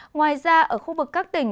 ngoài ra ở khu vực các tỉnh